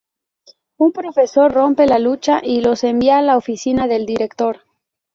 Un profesor rompe la lucha y los envía a la oficina del director.